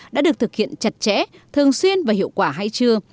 đã được thực hiện chặt chẽ thường xuyên và hiệu quả hay chưa